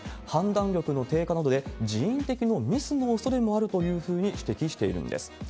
判断力の低下などで人為的なミスのおそれもあるというふうに指摘しているんです。